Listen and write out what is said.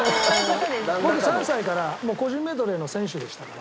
僕３歳から個人メドレーの選手でしたから。